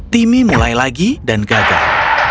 timmy mulai lagi dan gagal